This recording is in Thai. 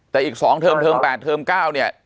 แต่อีก๒เทอมเทอม๘เทอม๙เนี่ย